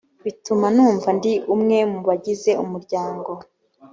bituma numva ndi umwe mu bagize umuryango